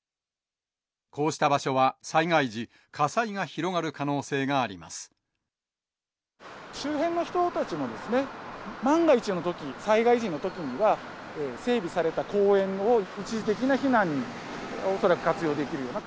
こうした場所は、災害時、周辺の人たちも、万が一のとき、災害時のときには、整備された公園を一時的な避難に恐らく活用できるような。